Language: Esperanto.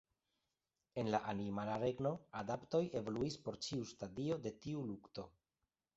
En la animala regno, adaptoj evoluis por ĉiu stadio de tiu lukto.